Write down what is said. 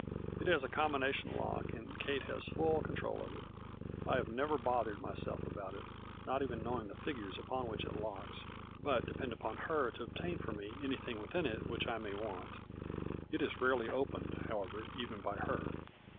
It has a combination lock and Kate has full control of it. I have never bothered myself about it, not even knowing the figures upon which it locks, but depend upon her to obtain for me anything within it which I way want. It is rarely opened, however, even by her."